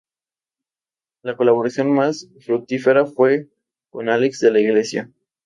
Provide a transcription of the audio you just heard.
La colaboración más fructífera fue con Álex de la Iglesia.